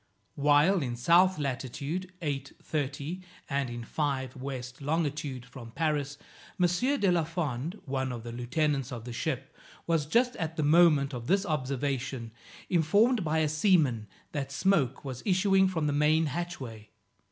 While in south latitude 8 30, and in 5 west longitude from Paris, M. de la Fond, one of the lieutenants of the ship, was, just at the moment of this observation, informed by a seaman, that smoke was issuing from the main hatchway.